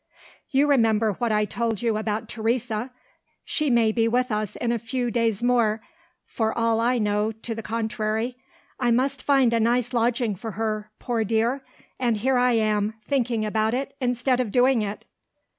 You remember what I told you about Teresa? She may be with us in a few days more, for all I know to the contrary. I must find a nice lodging for her, poor dear and here I am, thinking about it instead of doing it."